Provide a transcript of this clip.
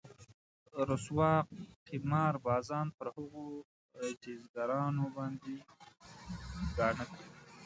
رسوا قمار بازان پر هغو جيزګرانو باندې ګاڼه کړي.